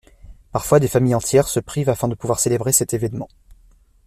Parfois, des familles entières se privent afin de pouvoir célébrer cet événement.